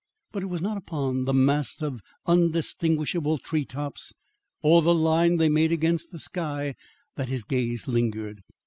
But it was not upon the mass of undistinguishable tree tops or the line they made against the sky that his gaze lingered.